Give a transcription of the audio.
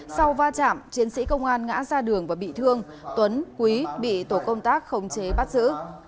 sau va chạm chiến sĩ công an ngã ra đường và bị thương tuấn quý bị tổ công tác khống chế bắt giữ